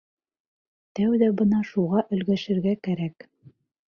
Тәүҙә бына шуға өлгәшергә кәрәк.